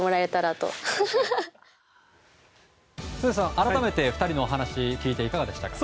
改めて２人のお話を聞いていかがでしたか？